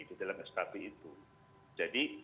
di dalam skb itu jadi